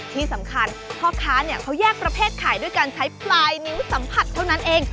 ที่สำคัญพ่อค้าเนี่ยเขาแยกประเภทขายด้วยการใช้ปลายนิ้วสัมผัสเท่านั้นเอง